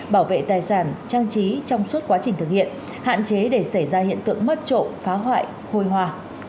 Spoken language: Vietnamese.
bảo vệ tài sản trang trí trong suốt quá trình thực hiện hạn chế để xảy ra hiện tượng mất trộm phá hoại hồi hoa